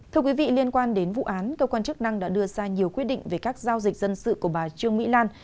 thưa quý vị liên quan đến vụ án cơ quan chức năng đã đưa ra nhiều quyết định về các giao dịch dân sự của bà trương mỹ lan